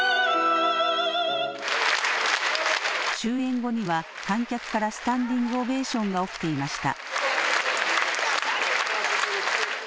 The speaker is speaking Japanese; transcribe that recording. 終演後には観客からスタンディングオベーションが起きていました。